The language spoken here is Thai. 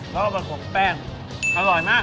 สอบบบอกแป้งอร่อยมาก